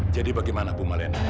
jadi bagaimana bumalena